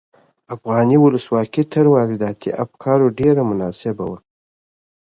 افغاني ولسواکي تر وارداتي افکارو ډېره مناسبه وه.